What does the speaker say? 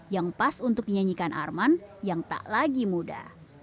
yang pas untuk dinyanyikan arman yang tak lagi muda